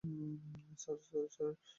Sir, sir.